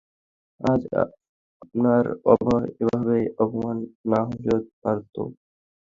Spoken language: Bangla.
আজ আপনার এভাবে অপমান না হলেও পারতো।